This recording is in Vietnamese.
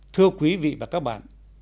thưa quý vị và các bạn